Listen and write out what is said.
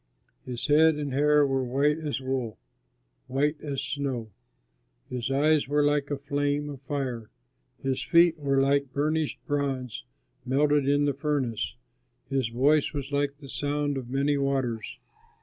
His head and hair were white as wool, white as snow; his eyes were like a flame of fire, his feet were like burnished bronze melted in the furnace, his voice was like the sound of many waters.